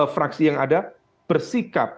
fraksi yang ada bersih